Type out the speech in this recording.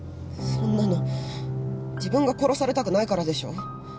そんなの自分が殺されたくないからでしょ。